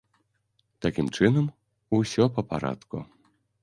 Такім чынам, усё па парадку.